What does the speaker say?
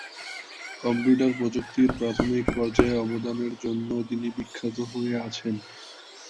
Computer প্রযুক্তির প্রাথমিক পর্যায়ে অবদানের জন্য তিনি বিখ্যাত হয়ে আছেন।